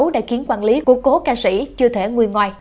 đã khiến quản lý của cố ca sĩ chưa thể ngồi ngoài